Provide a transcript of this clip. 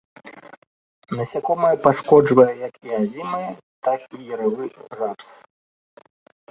Насякомае пашкоджвае як і азімы, так і яравы рапс.